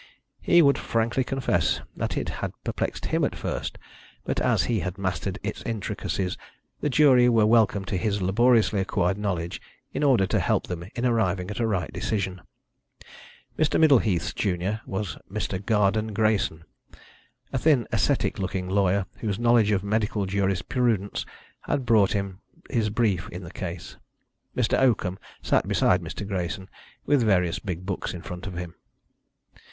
He would frankly confess that it had perplexed him at first, but as he had mastered its intricacies the jury were welcome to his laboriously acquired knowledge in order to help them in arriving at a right decision. Mr. Middleheath's junior was Mr. Garden Greyson, a thin ascetic looking lawyer whose knowledge of medical jurisprudence had brought him his brief in the case. Mr. Oakham sat beside Mr. Greyson with various big books in front of him.